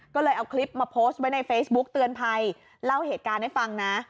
ก็เลยเอาคลิปมาโพสต์ไว้ในเฟซบุ๊กเตือนภัยเล่าเหตุการณ์ให้ฟังนะ